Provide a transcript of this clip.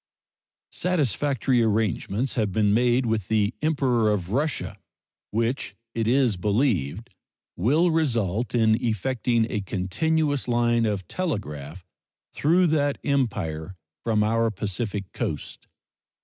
Satisfactory arrangements have been made with the Emperor of Russia, which, it is believed, will result in effecting a continuous line of telegraph through that Empire from our Pacific coast.